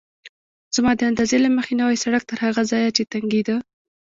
زما د اندازې له مخې نوی سړک تر هغه ځایه چې تنګېده.